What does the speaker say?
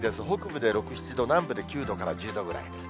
北部で６、７度、南部で９度から１０度くらい。